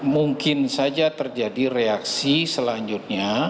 mungkin saja terjadi reaksi selanjutnya